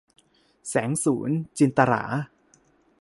แสงสูรย์ - จินตะหรา